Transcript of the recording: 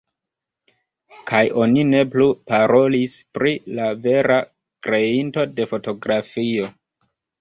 Kaj oni ne plu parolis pri la vera kreinto de fotografio.